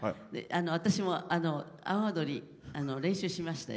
私も阿波おどり練習しまして。